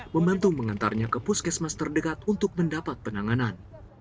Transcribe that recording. membantu mengantarnya ke puskesmas terdekat untuk mendapat penanganan